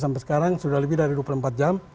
sampai sekarang sudah lebih dari dua puluh empat jam